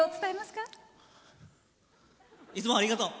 いつもありがとう！